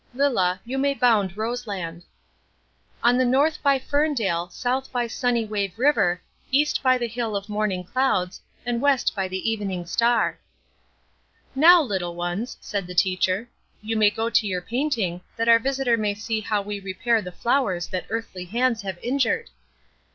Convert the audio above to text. "Lilla, you may bound Rose Land." "On the north by Ferndale, south by Sunny Wave River, east by the hill of Morning Clouds, and west by the Evening Star." "Now, little ones," said the teacher, "you may go to your painting, that our visitor may see how we repair the flowers that earthly hands have injured."